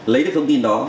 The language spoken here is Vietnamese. lấy được thông tin đó